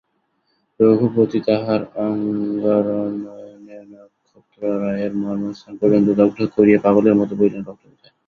রঘুপতি তাঁহার অঙ্গারনয়নে নক্ষত্ররায়ের মর্মস্থান পর্যন্ত দগ্ধ করিয়া পাগলের মতো বলিলেন, রক্ত কোথায়?